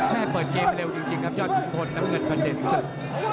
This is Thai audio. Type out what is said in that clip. เปิดเกมเร็วจริงครับยอดขุนพลน้ำเงินพระเด็จศึก